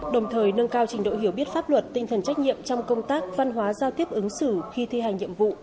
đồng thời nâng cao trình độ hiểu biết pháp luật tinh thần trách nhiệm trong công tác văn hóa giao tiếp ứng xử khi thi hành nhiệm vụ